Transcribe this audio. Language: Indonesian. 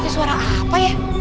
itu suara apa ya